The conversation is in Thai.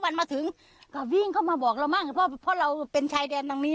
มันมาถึงก็วิ่งเข้ามาบอกเรามั้งเพราะเราเป็นชายแดนทางนี้